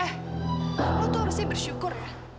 eh lo tuh harusnya bersyukur ya